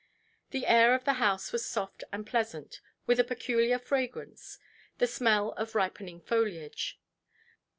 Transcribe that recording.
The air of the house was soft and pleasant, with a peculiar fragrance, the smell of ripening foliage.